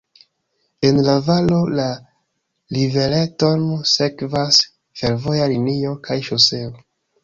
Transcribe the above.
En la valo la rivereton sekvas fervoja linio kaj ŝoseo.